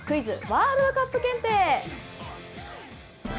ワールドカップ検定！」。